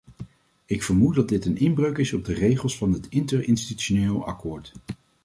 Ik vermoed dat dit een inbreuk is op de regels van het interinstitutioneel akkoord.